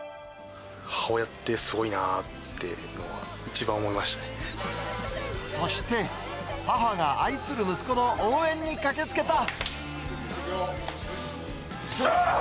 母親ってすごいなって、そして、母が愛する息子の応援に駆けつけた。